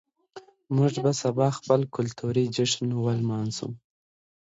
موږ به سبا خپل کلتوري جشن ولمانځو.